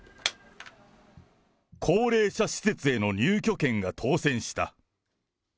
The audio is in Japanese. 高齢者施設への入居権が当せんした。